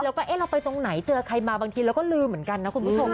แล้วก็เอ๊ะเราไปตรงไหนเจอใครมาบางทีเราก็ลืมเหมือนกันนะคุณผู้ชม